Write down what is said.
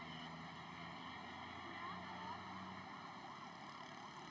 di tengah tengah mereka persis di antara mereka untuk meleraik